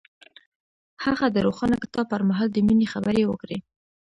هغه د روښانه کتاب پر مهال د مینې خبرې وکړې.